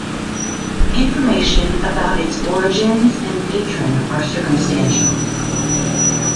Information about its origins and patron are circumstantial.